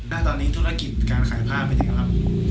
ณตอนนี้ธุรกิจการขายผ้าเป็นยังไงครับ